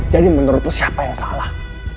jadi menurut lo siapa yang salah